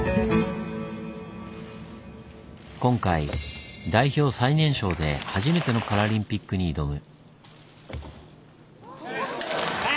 今回代表最年少で初めてのパラリンピックに挑む。